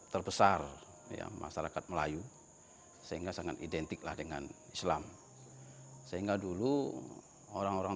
terbesar ya masyarakat melayu sehingga sangat identiklah dengan islam sehingga dulu orang orang